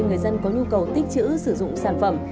các cá nhân có nhu cầu tích chữ sử dụng sản phẩm